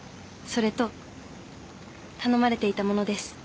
それと頼まれていたものです。